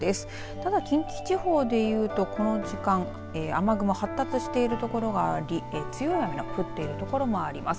ただ、近畿地方でいうとこの時間雨雲発達しているところがあり強い雨の降っているところもあります。